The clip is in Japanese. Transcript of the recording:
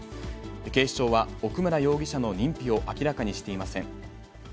警視庁は、奥村容疑者の認否を明らかにしていません。